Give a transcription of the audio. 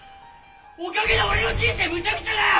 おかげで俺の人生むちゃくちゃだよ！